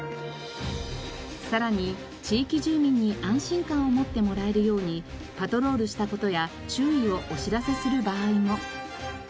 さらに地域住民に安心感を持ってもらえるようにパトロールした事や注意をお知らせする場合も。